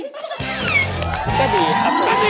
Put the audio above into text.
ก็ดีครับ